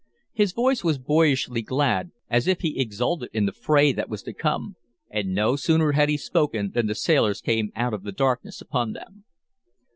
His voice was boyishly glad, as if he exulted in the fray that was to come; and no sooner had he spoken than the sailors came out of the darkness upon them.